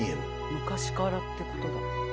昔からってことだ。